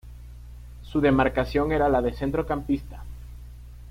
Su demarcación era la de centrocampista.